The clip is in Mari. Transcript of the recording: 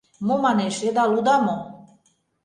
— Мо, манеш, йыдал уда мо?